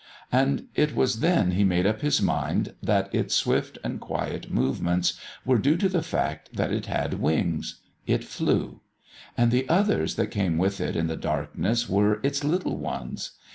And it was then he made up his mind that its swift and quiet movements were due to the fact that it had wings. It flew. And the others that came with it in the darkness were "its little ones."